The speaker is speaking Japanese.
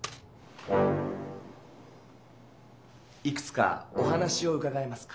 いくつかお話をうかがえますか？